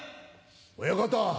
親方